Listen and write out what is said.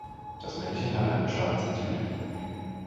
Das Männchen hat einen schwarzen Zügel.